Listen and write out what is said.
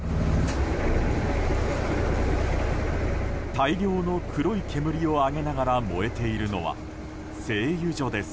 大量の黒い煙を上げながら燃えているのは製油所です。